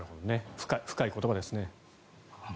深い言葉ですね。